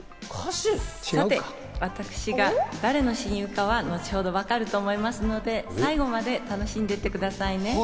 さて、私が誰の親友かは後ほどわかると思いますので、最後まで楽しんでいってくださいね。